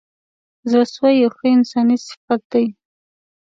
زړه سوی یو ښه انساني صفت دی.